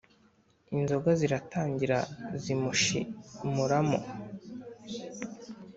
inzoga ziratangira zimushimuramo,